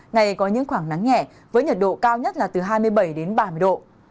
ngày có những khoảng nắng nhẹ với nhiệt độ cao nhất là từ hai mươi bảy đến ba mươi độ